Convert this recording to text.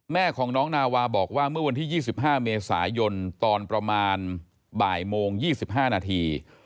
แม่ของน้องนาวาบอกว่าเมื่อวันที่๒๕เมษายนตอนประมาณบ่ายโมง๒๕นาที